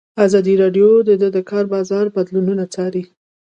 ازادي راډیو د د کار بازار بدلونونه څارلي.